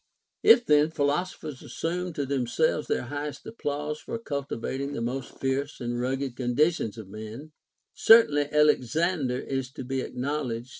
If then philosophers assume to themselves their highest applause for cultivating the most fierce and rugged con ditions of men, certainly Alexander is to be acknowledged OF ALEXANDER THE GEEAT.